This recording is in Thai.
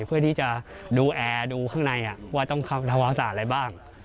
เพื่อที่จะดูแอร์ดูข้างในว่าต้องเข้าทะวัตรอะไรบ้าง